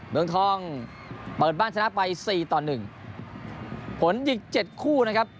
เมืองทองเปิดบ้านชนะไปสี่ต่อหนึ่งผลยิงเจ็ดคู่นะครับ